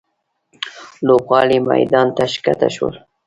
لوبغاړي میدان ته ښکته شول.